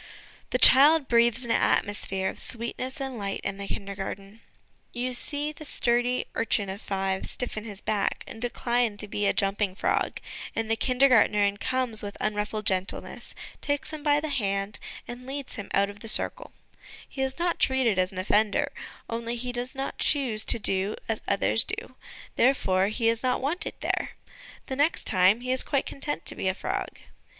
The child breathes an atmosphere of ' sweetness and light' in the Kindergarten. You see the sturdy urchin of five stiffen his back and decline to be a jumping frog, and the Kindergdrtnerin comes with LESSONS AS INSTRUMENTS OF EDUCATION iSl unruffled gentleness, takes him by the hand, and leads him out of the circle, he is not treated as an offender, only he does not choose to do as others do, therefore he is not wanted there : the next time, he is quite content to be a frog.